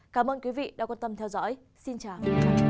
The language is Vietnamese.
cảm ơn quý vị đã quan tâm theo dõi xin chào